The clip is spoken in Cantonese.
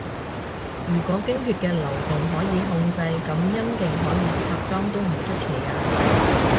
如果經血嘅流動可以控制，噉陰莖可以裝拆都唔出奇吖